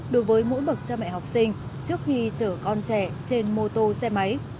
đối với mỗi bậc cha mẹ học sinh trước khi chở con trẻ trên mô tô xe máy